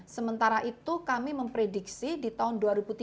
sementara itu kami memprediksi di tahun dua ribu tiga puluh